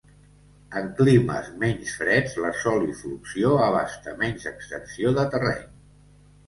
En climes menys freds la solifluxió abasta menys extensió de terreny.